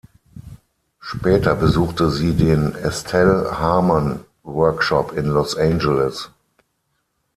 Später besuchte sie den Estelle Harman Workshop in Los Angeles.